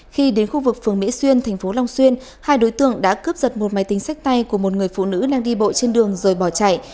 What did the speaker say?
khi đến khu vực phường mỹ xuyên thành phố long xuyên hai đối tượng đã cướp giật một máy tính sách tay của một người phụ nữ đang đi bộ trên đường rồi bỏ chạy